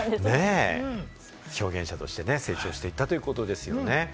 表現者として成長していったということですね。